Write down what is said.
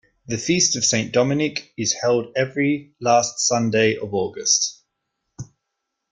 The feast of Saint Dominic is held every last Sunday of August.